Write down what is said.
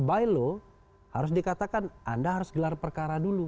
by law harus dikatakan anda harus gelar perkara dulu